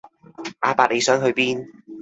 阿伯你想去邊